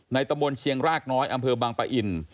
ในตำรวจเชียงรากน้อยอำเภอบางปะอิน